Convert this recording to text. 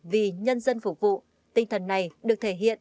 vì nhân dân phục vụ tinh thần này được thể hiện